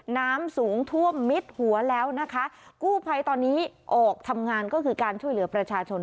น้ำสูงท่วมมิดหัวแล้วนะคะกู้ภัยตอนนี้ออกทำงานก็คือการช่วยเหลือประชาชน